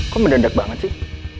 kok mendendak banget sih